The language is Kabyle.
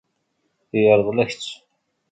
Yeṛḍel-ak-tt.